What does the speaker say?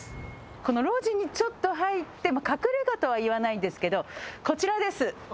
この路地にちょっと入って隠れ家とは言わないんですけどこちらです。